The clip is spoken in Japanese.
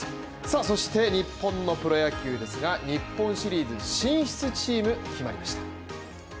そして日本のプロ野球ですが、日本シリーズ進出チームが決まりました。